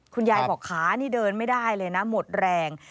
คุณยายบอกขานี่เดินไม่ได้เลยนะหมดแรง